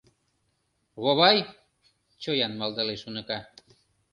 — Вовай, — чоян малдалеш уныка.